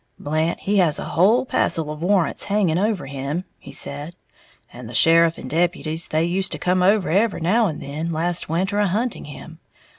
"Blant he has a whole passel of warrants hanging over him," he said, "and the sheriff and deputies they used to come over every now and then last winter a hunting him.